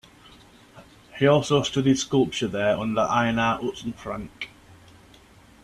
He also studied sculpture there under Einar Utzon-Frank.